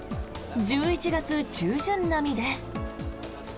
１１月中旬並みです。